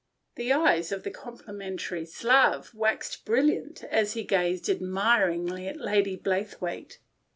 The eyes of the complimentary Slav waxed brilliant as he gazed admiringly at Lady Blaythewaite.